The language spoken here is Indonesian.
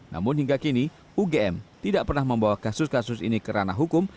namun hingga kini ugm tidak pernah membawa kasus kasus ini ke ranah hukum